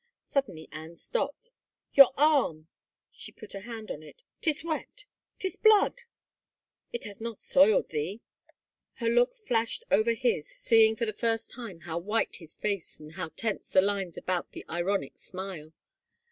Suddenly Anne stopped. " Your arm I " She put a hand on it. " 'Tis wet — 'tis blood !"" It hath not soiled thee ?" Her look flashed over his, seeing for the first time how white his face and how tense the lines about the ironic smile.